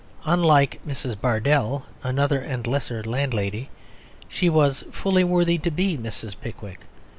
Unlike Mrs. Bardell (another and lesser landlady) she was fully worthy to be Mrs. Pickwick.